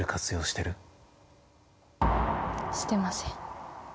してません。